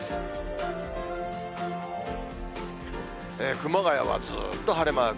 熊谷はずっと晴れマーク。